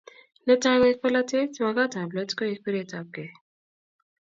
Netai koek bolatet, wakat ak let koek biretapkei